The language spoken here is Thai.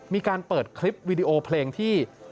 มีการเปิดคลิปวิดีโอเพลงที่